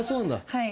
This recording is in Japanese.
はい。